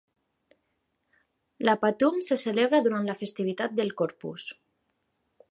La Patum se celebra durant la festivitat del Corpus.